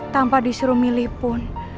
tanpa disuruh milih pun